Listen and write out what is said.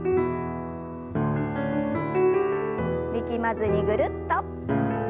力まずにぐるっと。